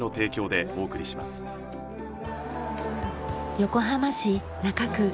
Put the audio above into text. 横浜市中区